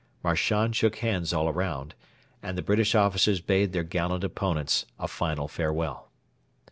Marchand shook hands all round, and the British officers bade their gallant opponents a final farewell.